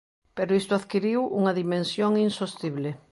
Pero isto adquiriu unha dimensión insostible.